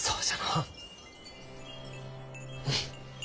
うん！